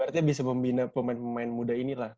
artinya bisa membina pemain pemain muda inilah